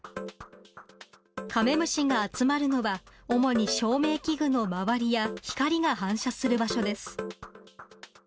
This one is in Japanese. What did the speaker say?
カメムシが集まるのは、主に照明器具の周りや光が反射する場所です。